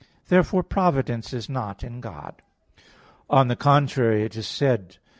Therefore providence is not in God. On the contrary, It is said (Wis.